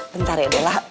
bentar ya dela